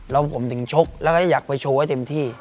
แล้วผมถึงชกแล้วก็อยากไปโชว์ให้เต็มที่